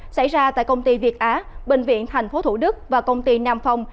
xảy ra tại công ty việt á bệnh viện tp thủ đức và công ty nam phong